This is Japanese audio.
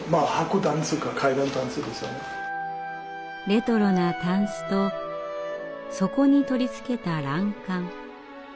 レトロなタンスとそこに取り付けた欄干。